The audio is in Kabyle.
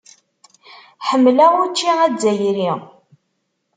Ḥemmleɣ učči azzayri.